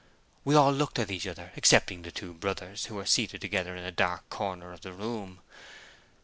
We all looked at each other, excepting the two brothers, who were seated together in a dark corner of the room.